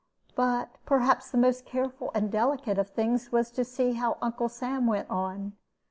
But perhaps the most careful and delicate of things was to see how Uncle Sam went on.